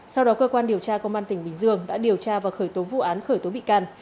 sau đó cơ quan điều tra công an tỉnh bình dương đã điều tra và khởi tố vụ án khởi tố bị can